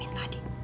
inget kakak loh